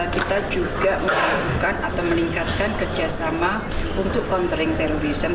kita juga melakukan atau meningkatkan kerjasama untuk countering terorisme